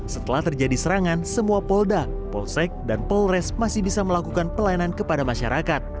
setelah terjadi serangan semua polda polsek dan polres masih bisa melakukan pelayanan kepada masyarakat